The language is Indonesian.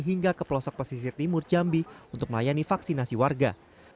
hingga ke pelosok pesisir timur jambi untuk melayani vaksinasi warga